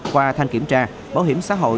qua thanh kiểm tra bảo hiểm xã hội